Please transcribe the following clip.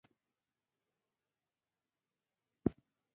باداره دغه جنګ دې د وطن اخري جنګ شي.